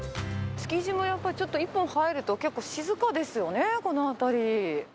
築地もやっぱりちょっと一本入ると、結構静かですよね、この辺り。